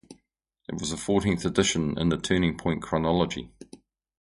It was the fourteenth edition in the Turning Point chronology.